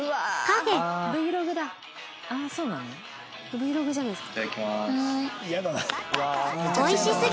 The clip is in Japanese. Ｖｌｏｇじゃないですか？